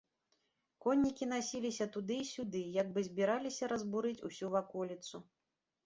Коннікі насіліся туды і сюды, як бы збіраліся разбурыць усю ваколіцу.